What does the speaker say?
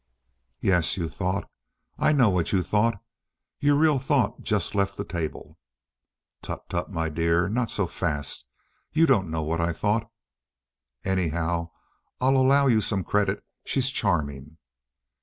"Yes, you thought! I know what you thought. Your real thought just left the table." "Tut, tut, my dear. Not so fast. You don't know what I thought." "Anyhow, I allow you some credit. She's charming."